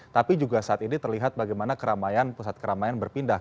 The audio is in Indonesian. tapi juga saat ini terlihat bagaimana keramaian pusat keramaian berpindah